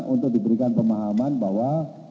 untuk diberikan pemahaman bahwa